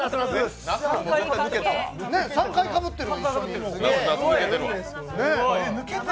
３回かぶってる。